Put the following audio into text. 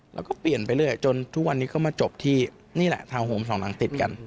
แล้วก็เปลี่ยนไปเรื่อยจนทุกวันนี้ก็มาจบที่นี่แหละทางโหมสองหลังติดกัน